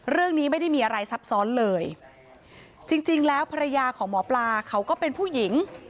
เรื่องนี้ไม่ได้มีอะไรซับซ้อนเลยจริงจริงแล้วภรรยาของหมอปลาเขาก็เป็นผู้หญิง